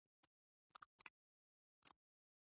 هغه په سپوږمیز کال د جوزجان په سفید نج کې زیږېدلی.